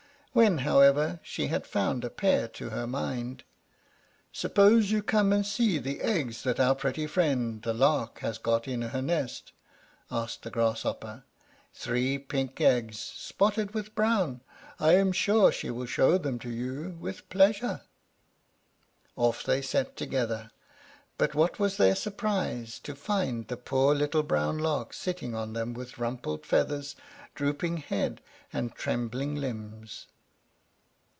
When, however, she had found a pair to her mind "Suppose you come and see the eggs that our pretty friend the Lark has got in her nest," asked the Grasshopper. "Three pink eggs spotted with brown. I am sure she will show them to you with pleasure." Off they set together; but what was their surprise to find the poor little brown Lark sitting on them with rumpled feathers, drooping head, and trembling limbs.